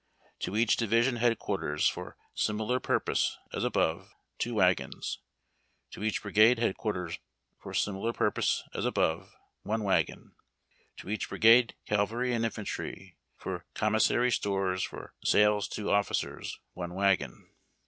To each Division Head Quarters for similar purpose as above, 2 wagons. To each Brigade Head Quarters for similar purpose as above, 1 wagon. To each Brigade, cavalry and infantry, for commissary stores for sales to officers, 1 wagon.